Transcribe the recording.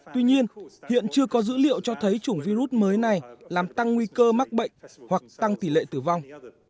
tuy nhiên hiện chưa có dữ liệu cho thấy chủng virus mới này làm tăng nguy cơ mắc bệnh hoặc tăng tỷ lệ tử vong